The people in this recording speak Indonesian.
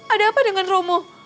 ada apa dengan romo